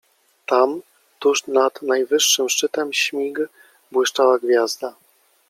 Tam, tuż nad najwyższym szczytem śmig, błyszczała gwiazda.